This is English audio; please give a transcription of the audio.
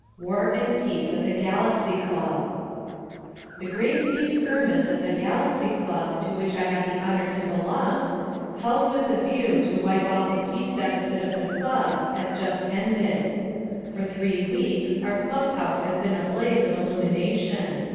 War and Peace at the Galaxy Club The Great Peace Kermesse at the Galaxy Club, to which I have the honour to belong, held with a view to wipe out the Peace Deficit of the Club, has just ended. For three weeks our club house has been a blaze of illumination.